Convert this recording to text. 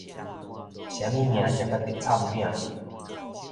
啥物命，食甲竹塹餅